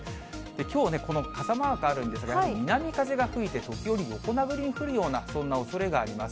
きょうね、この傘マークあるんですが、南風が吹いて、時折、横殴りに降るような、そんなおそれがあります。